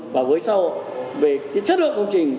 và với xã hội về cái chất lượng công trình